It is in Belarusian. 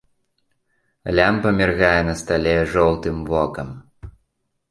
Лямпа міргае на стале жоўтым вокам.